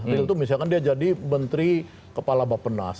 real itu misalkan dia jadi menteri kepala bapak penas